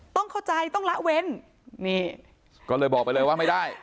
ต้องเข้าใจต้องละเว้นนี่ก็เลยบอกไปเลยว่าไม่ได้